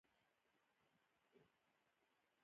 آیا په غم او ښادۍ کې نه وي؟